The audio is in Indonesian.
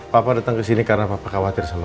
papa dateng kesini karena papa khawatir sama rena